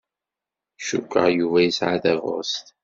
Cukkeɣ Yuba yesɛa tabɣest.